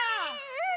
うん！